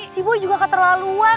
si bu juga katerlaluan